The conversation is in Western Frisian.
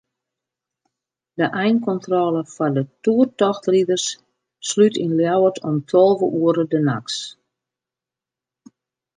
De einkontrôle foar toertochtriders slút yn Ljouwert om tolve oere de nachts.